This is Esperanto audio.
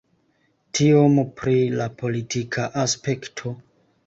Tiom pri la politika aspekto.